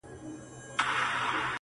خدايه ته لوی يې,